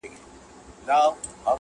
یو چا سپی ښخ کړئ دئ په هدیره کي،